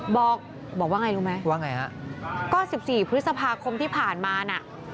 บอกว่าไงรู้ไหมก็๑๔พฤษภาคมที่ผ่านมาน่ะ